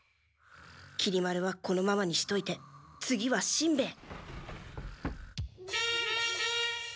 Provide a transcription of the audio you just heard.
きり丸はこのままにしといて次はしんべヱ。